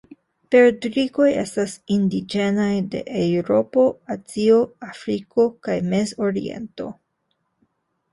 Perdrikoj estas indiĝenaj de Eŭropo, Azio, Afriko, kaj Mezoriento.